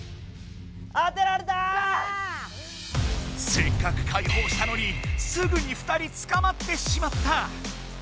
せっかくかいほうしたのにすぐに２人つかまってしまった。